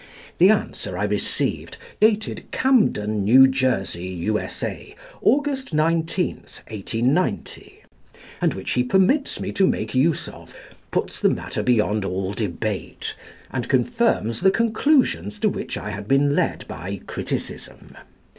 The answer I received, dated Camden, New Jersey, U.S.A., August 19, 1890, and which he permits me to make use of, puts the matter beyond all debate, and confirms the conclusions to which I had been led by criticism.